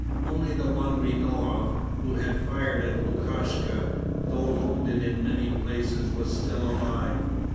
Only the one we know of, who had fired at Lukashka, though wounded in many places was still alive.